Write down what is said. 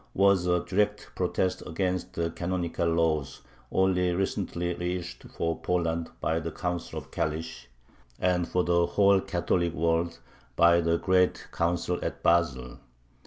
was a direct protest against the canonical laws only recently reissued for Poland by the Council of Kalish, and for the whole Catholic world by the great Council at Basle.